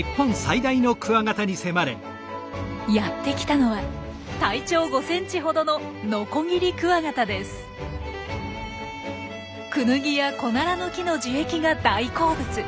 やってきたのは体長５センチほどのクヌギやコナラの木の樹液が大好物。